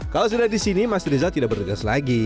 kalau sudah di sini mas rizal tidak bertugas lagi